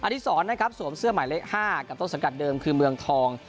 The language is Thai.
ที่ศรนะครับสวมเสื้อหมายเลข๕กับต้นสังกัดเดิมคือเมืองทอง